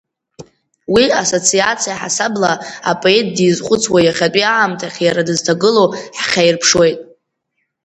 Уи ассоциациа ҳасабла апоет дизхәыцуа иахьатәи аамҭахь иара дызҭагылоу ҳхьаирԥшуеит…